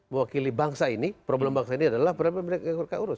mewakili bangsa ini problem bangsa ini adalah problem mereka yang harus diurus